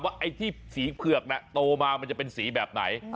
ไอ้ที่สีเผือกน่ะโตมามันจะเป็นสีแบบไหน